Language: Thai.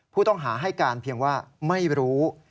ผู้ต้องหาให้การเพียงว่าไม่รู้